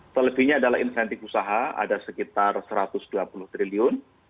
selebihnya adalah insentif usaha ada sekitar satu ratus dua puluh triliun